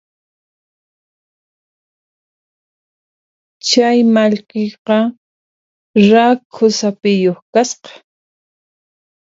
Chay mallkiqa rakhu saphiyuq kasqa.